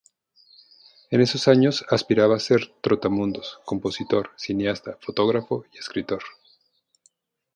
En esos años aspiraba a ser trotamundos, compositor, cineasta, fotógrafo y escritor.